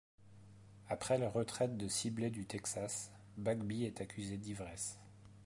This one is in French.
Après la retraite de Sibley du Texas, Bagby est accusé d'ivresse.